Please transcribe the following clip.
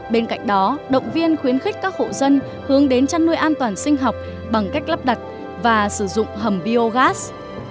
bên cạnh đó động viên khuyến khích các hộ dân hướng đến chăn nuôi an toàn sinh học bằng cách lắp đặt và sử dụng hầm biogas